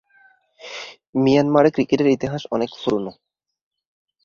মিয়ানমারে ক্রিকেটের ইতিহাস অনেক পুরনো।